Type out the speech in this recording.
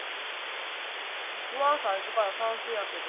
僕は最初から賛成やけど。